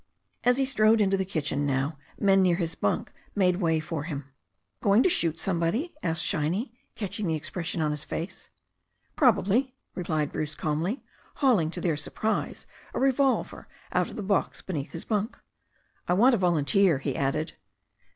As he strode into the kitchen now, men near his bunk made way for him. "Going to shoot somebody, doctor?" asked Shiny, catch ing the expression on his face. "Probably," replied Bruce calmly, hauling, to their sur prise, a revolver out of the box beneath his bunk. "I want a volunteer," he added.